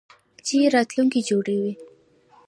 چې راتلونکی جوړوي.